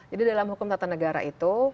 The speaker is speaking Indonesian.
jadi dalam hukum tata negara itu